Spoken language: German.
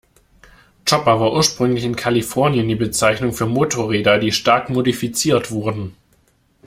Chopper war ursprünglich in Kalifornien die Bezeichnung für Motorräder, die stark modifiziert wurden.